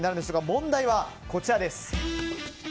問題は、こちらです。